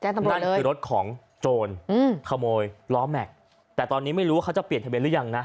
นั่นคือรถของโจรอืมขโมยล้อแม็กซ์แต่ตอนนี้ไม่รู้ว่าเขาจะเปลี่ยนทะเบียหรือยังนะ